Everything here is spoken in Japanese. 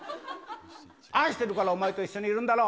愛してるからお前と一緒にいるんだろ。